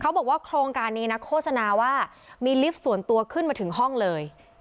บอกว่าโครงการนี้นะโฆษณาว่ามีลิฟต์ส่วนตัวขึ้นมาถึงห้องเลย